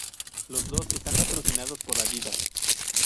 Los dos están patrocinados por Adidas.